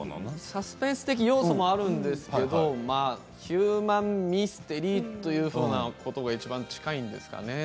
サスペンス的要素もあるんですけれどもヒューマンミステリーという言葉がいちばん近いですかね。